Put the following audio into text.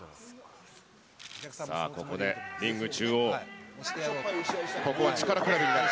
さあ、ここでリング中央、ここは力比べになる。